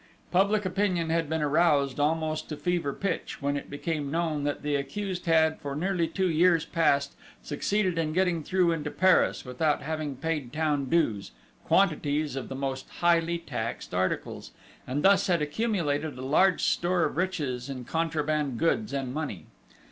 Public opinion had been aroused almost to fever pitch, when it became known that the accused had, for nearly two years past, succeeded in getting through into Paris, without having paid town dues, quantities of the most highly taxed articles, and thus had accumulated a large store of riches in contraband goods and money.